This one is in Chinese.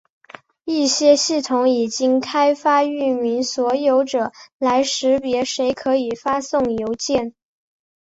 一些系统已经开发域名所有者来识别谁可以发送邮件。